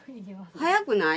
早くない？